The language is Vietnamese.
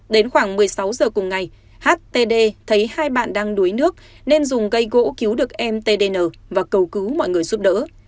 đến khoảng một mươi sáu h cùng ngày htd thấy hai bạn đang đuối nước nên dùng gây gỗ cứu được em tdn và cầu cứu mọi người giúp đỡ